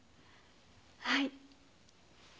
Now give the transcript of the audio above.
はい。